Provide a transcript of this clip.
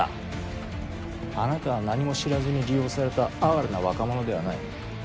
あなたは何も知らずに利用された哀れな若者ではない。